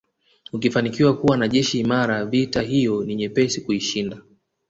Ukifanikiwa kuwa na jeshi imara vita hiyo ni vyepesi kuishinda